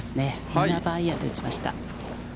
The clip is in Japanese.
７番アイアンで打ちました。